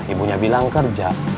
ibunya bilang kerja